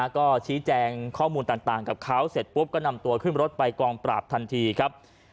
ก็ชี้แจงข้อมูลต่างกับเขาเสร็จปุ๊บก็นำตัวขึ้นรถไปกองปราบทันทีครับ